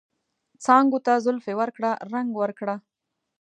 څانګو ته زلفې ورکړه ، رنګ ورکړه